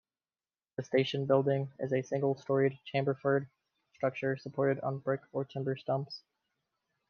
The station building is a single-storeyed chamferboard structure supported on brick or timber stumps.